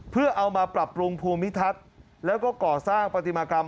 เพื่อเอามาปรับปรุงภูมิทัศน์แล้วก็ก่อสร้างปฏิมากรรม